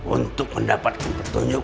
untuk mendapatkan pertunjuk